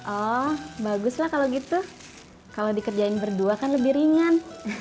oh bagus lah kalau gitu kalau dikerjain berdua kan lebih ringan